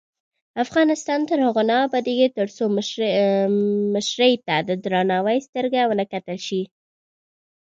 افغانستان تر هغو نه ابادیږي، ترڅو مشرې ته د درناوي سترګه ونه کتل شي.